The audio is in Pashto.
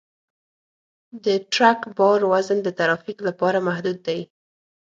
د ټرک بار وزن د ترافیک لپاره محدود دی.